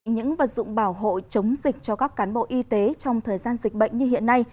những vật dụng bảo hộ chống dịch cho các cán bộ y tế trong thời gian dịch bệnh như hiện nay